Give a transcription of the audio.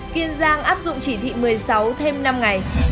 kiên giang áp dụng chỉ thị một mươi sáu thêm năm ngày